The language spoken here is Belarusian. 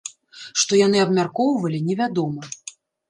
Што яны абмяркоўвалі, невядома.